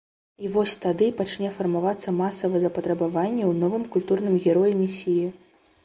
І вось тады пачне фармавацца масавае запатрабаванне ў новым культурным героі-месіі.